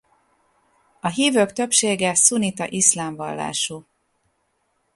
A hívők többsége szunnita iszlám vallású.